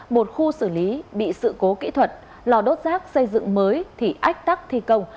một khu xử lý bị sự cố kỹ thuật lò đốt rác xây dựng mới thì ách tắc thi công